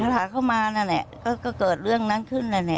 ทะหร่าเข้ามานั่นเนี่ยก็เกิดเรื่องนั้นขึ้นแล้วเนี่ย